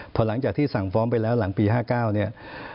พอหลังจากที่สั่งฟ้องไปแล้วหลังปี๕๙เนี่ย